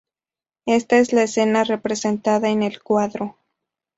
Esta es la escena representada en el cuadro.